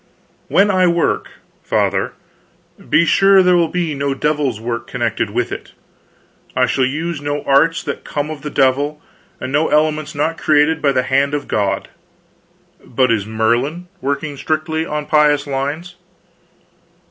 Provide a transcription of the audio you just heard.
"When I work, Father, be sure there will be no devil's work connected with it. I shall use no arts that come of the devil, and no elements not created by the hand of God. But is Merlin working strictly on pious lines?"